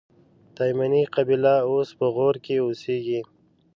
تایمني قبیله اوس په غور کښي اوسېږي.